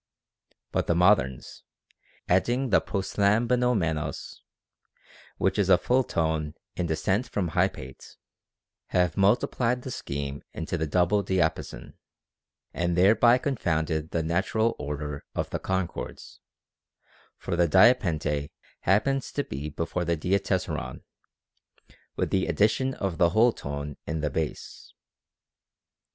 But the moderns, adding the proslam banomenos, which is a full tone in descent from hypate, have multiplied the scheme into the double diapason, and thereby confounded the natural order of the concords ; for the diapente happens to be before the diatessaron, with the addition of the whole tone in the bass.